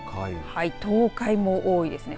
東海も多いですね。